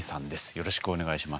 よろしくお願いします。